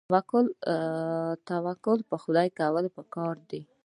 توکل په خدای کول پکار دي